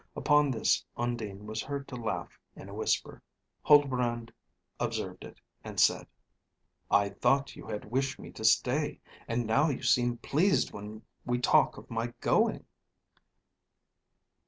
Upon this, Undine was heard to laugh in a whisper. Huldbrand observed it, and said: "I thought you had wished me to stay; and now you seem pleased when we talk of my going?"